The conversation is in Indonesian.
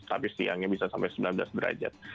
tapi siangnya bisa sampai sembilan belas derajat